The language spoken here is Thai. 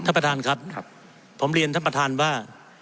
ท่านประธานครับผมเรียนท่านประธานว่า